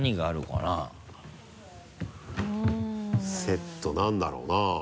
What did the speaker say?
セットなんだろうな？